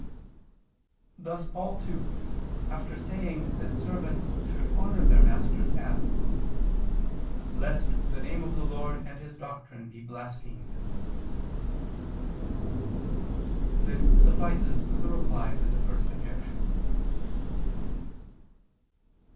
Thus Paul too, after saying that servants should honor their masters, adds, "lest the name of the Lord and His doctrine be blasphemed." This suffices for the Reply to the First Objection.